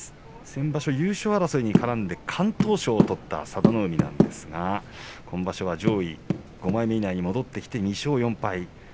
先場所、優勝争いに絡んで敢闘賞を取った佐田の海ですが今場所は上位５枚目以内に戻ってきて２勝４敗。